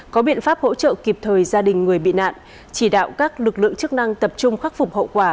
có biện pháp hỗ trợ kịp thời gia đình người bị nạn chỉ đạo các lực lượng chức năng tập trung khắc phục hậu quả